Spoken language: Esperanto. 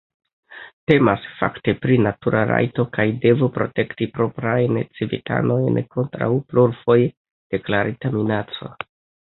Temas, fakte, pri natura rajto kaj devo protekti proprajn civitanojn kontraŭ plurfoje deklarita minaco.